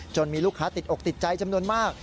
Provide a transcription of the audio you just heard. มีลูกค้าติดอกติดใจจำนวนมาก